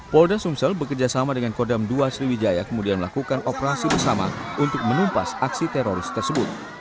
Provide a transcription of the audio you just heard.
polda sumsel bekerjasama dengan kodam dua sriwijaya kemudian melakukan operasi bersama untuk menumpas aksi teroris tersebut